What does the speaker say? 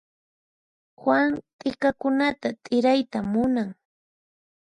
Juan t'ikakunata t'irayta munan.